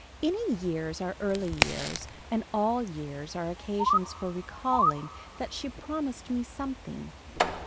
Any years are early years and all years are occasions for recalling that she promised me something.